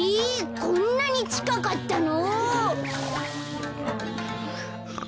こんなにちかかったの？